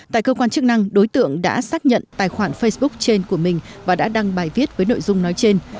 tại cơ quan chức năng đối tượng đã xác nhận tài khoản facebook trên của mình và đã đăng bài viết với nội dung nói trên